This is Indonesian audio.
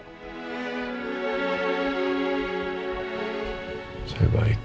tidak ada yang bisa diberikan